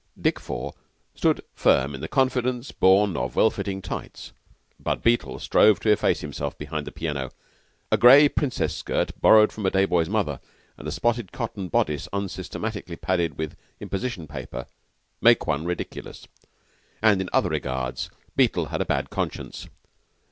Dick Four stood firm in the confidence born of well fitting tights, but Beetle strove to efface himself behind the piano. A gray princess skirt borrowed from a day boy's mother and a spotted cotton bodice unsystematically padded with imposition paper make one ridiculous. And in other regards Beetle had a bad conscience.